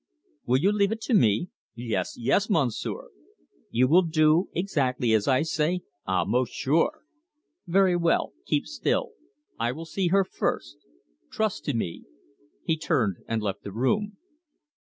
"Will you leave it to me?" "Yes, yes, Monsieur." "You will do exactly as I say?" "Ah, most sure." "Very well. Keep still. I will see her first. Trust to me." He turned and left the room.